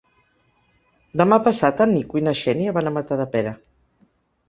Demà passat en Nico i na Xènia van a Matadepera.